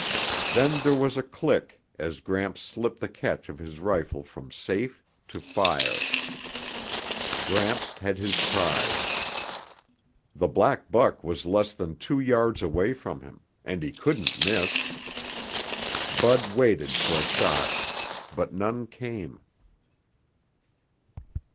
Then there was a click as Gramps slipped the catch of his rifle from safe to fire. Gramps had his prize. The black buck was less than two yards away from him, and he couldn't miss. Bud waited for a shot, but none came.